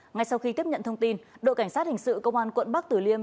ngay sau khi tiếp nhận thông tin đội cảnh sát hình sự công an quận bắc tử liêm